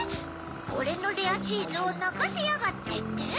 「おれのレアチーズをなかせやがって」って？